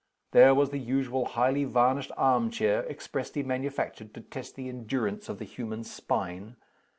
There was the usual highly varnished arm chair, expressly manufactured to test the endurance of the human spine.